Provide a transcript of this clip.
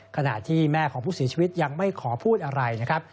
ขณะที่แม่ของผู้เสียชีวิตยังไม่ขอพูดอะไรนะครับ